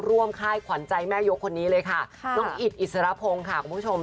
ค่ายขวัญใจแม่ยกคนนี้เลยค่ะน้องอิดอิสรพงศ์ค่ะคุณผู้ชม